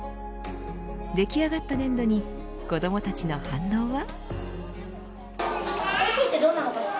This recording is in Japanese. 出来上がった粘土に子どもたちの反応は。